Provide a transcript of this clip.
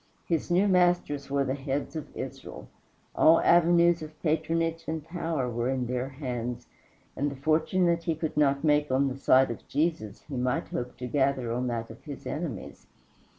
His new masters were the heads of Israel: all avenues of patronage and power were in their hands, and the fortune that he could not make on the side of Jesus he might hope to gather on that of his enemies.